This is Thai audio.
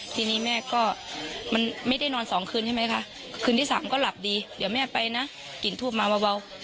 ทีนี้แม่ก็มันไม่ได้นอนสองคืนใช่ไหมคะคืนที่สามก็หลับดีเดี๋ยวแม่ไปนะกลิ่นทูบมาเบา